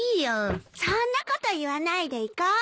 そんなこと言わないで行こう。